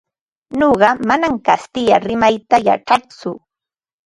Nuqa manam kastilla rimayta yachatsu.